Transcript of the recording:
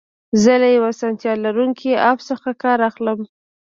زه له یو اسانتیا لرونکي اپ څخه کار اخلم.